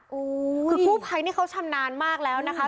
คือกู้ไพนี่เขาชำนานมากแล้วนะคะ